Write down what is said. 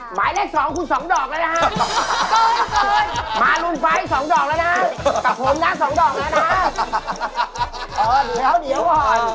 หมายของอยู่สีตัว